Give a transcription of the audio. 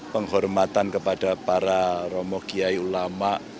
penghormatan kepada para romogiai ulama